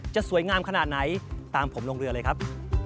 จะสวยงามขนาดไหนตามผมลงเรือเลยครับ